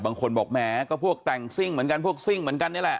บางคนบอกแหมก็พวกแต่งซิ่งเหมือนกันพวกซิ่งเหมือนกันนี่แหละ